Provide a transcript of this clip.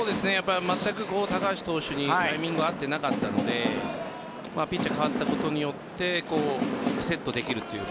まったく高橋投手にタイミングが合っていなかったのでピッチャーが代わったことによってリセットできるという。